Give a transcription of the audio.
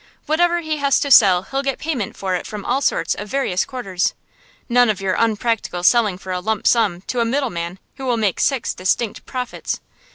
Whatever he has to sell he'll get payment for it from all sorts of various quarters; none of your unpractical selling for a lump sum to a middleman who will make six distinct profits.